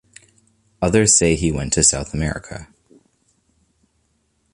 Others say he went to South America.